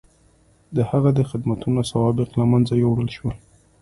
د هغه د خدمتونو سوابق له منځه یووړل شول.